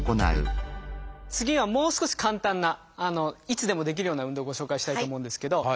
次はもう少し簡単ないつでもできるような運動をご紹介したいと思うんですけど。